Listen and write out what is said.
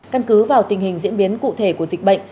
căn cứ vào tình hình diễn biến cụ thể của dịch bệnh